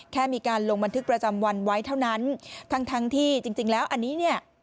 แค่มีการลงบันทึกประจำวันไว้เท่านั้นทั้งทั้งที่จริงจริงแล้วอันนี้เนี่ย